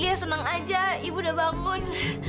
iya senang aja ibu udah bangun